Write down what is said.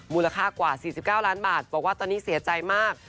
มูลค่ากว่า๔๙ล้านบาทบอกว่าตอนนี้เสียใจมาก